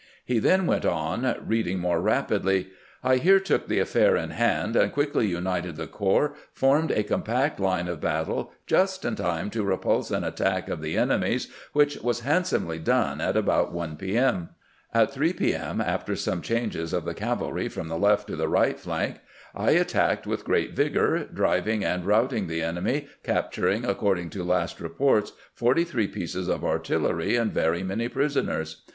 He then went on, reading more rapidly :"' I here took the affair in hand, and quickly united the corps, formed a compact line of battle just in time to repulse an attack of the enemy's, which was handsomely done at about 1 p. M. At 3 p. m., after some changes of the cavalry from the left to the right flank, I attacked with great vigor, driving and routing the enemy, capturing, according to last reports, forty three pieces of artillery and very many prisoners.